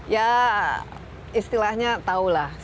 ya istilahnya tau lah